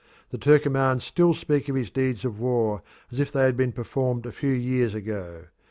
The Turkomans still speak of his deeds of war as if they had been performed a few years ago.